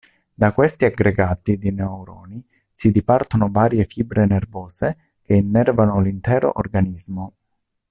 Da questi aggregati di neuroni si dipartono varie fibre nervose che innervano l'intero organismo.